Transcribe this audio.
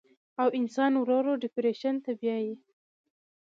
او انسان ورو ورو ډپرېشن ته بيائي